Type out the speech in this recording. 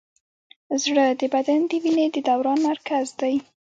زړه د بدن د وینې د دوران مرکز دی.